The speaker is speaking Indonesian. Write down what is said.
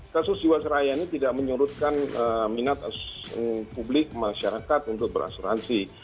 kasus jiwasraya ini tidak menyurutkan minat publik masyarakat untuk berasuransi